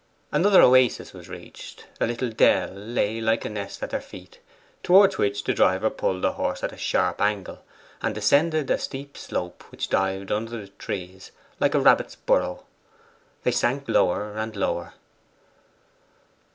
Another oasis was reached; a little dell lay like a nest at their feet, towards which the driver pulled the horse at a sharp angle, and descended a steep slope which dived under the trees like a rabbit's burrow. They sank lower and lower.